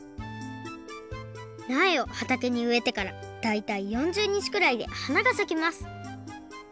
なえをはたけにうえてからだいたい４０にちくらいではながさきます。